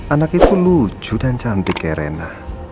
anak itu lucu dan cantik ya rena